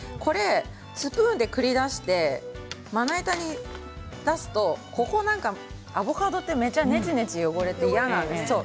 スプーンに繰り出してまな板に出すとアボカドってめちゃめちゃねちゃねちゃして汚れてしまいますよね。